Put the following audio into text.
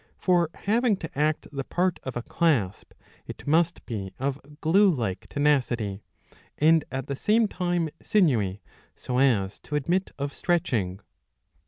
For, having to act the part of a clasp, it must be of glue like tenacity, and at the same time sinewy^ so as to admit of stretching.